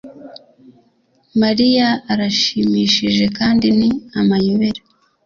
Mariya arashimishije kandi ni amayobera